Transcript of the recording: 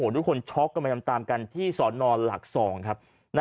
ทุกคนช็อกกันไปตามกันที่สอนอนหลัก๒ครับ